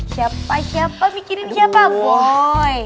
siapa siapa mikirin siapa boy